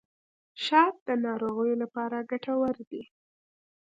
شات د ناروغیو لپاره ګټور دي.